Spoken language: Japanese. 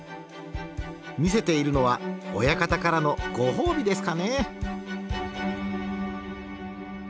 見せているのは親方からのご褒美ですかね？